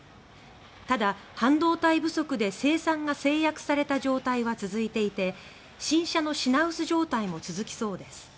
ただ、半導体不足で生産が制約された状態は続いていて新車の品薄状態も続きそうです。